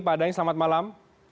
pak daeng selamat malam